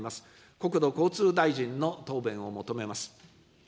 国土交通大臣の答弁を求めます。